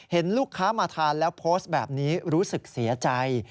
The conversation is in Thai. เห็นลูกค้ามาทานแล้วโพสต์แบบนี้รู้สึกเสียใจ